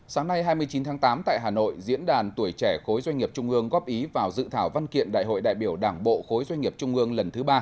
sáng nay hai mươi chín tháng tám tại hà nội diễn đàn tuổi trẻ khối doanh nghiệp trung ương góp ý vào dự thảo văn kiện đại hội đại biểu đảng bộ khối doanh nghiệp trung ương lần thứ ba